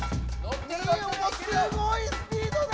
ミオもすごいスピードだ！